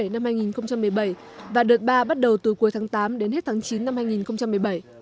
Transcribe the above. năm hai nghìn một mươi bảy và đợt ba bắt đầu từ cuối tháng tám đến hết tháng chín năm hai nghìn một mươi bảy